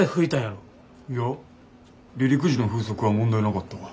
いや離陸時の風速は問題なかったわ。